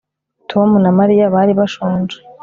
Tom na Mariya bari bashonje